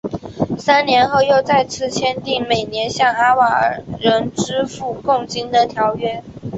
三年后又再次签订每年向阿瓦尔人支付贡金的条约。